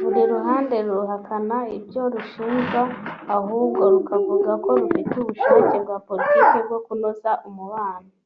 Buri ruhande ruhakana ibyo rushinjwa ahubwo rukavuga ko rufite ubushake bwa politiki bwo kunoza umubano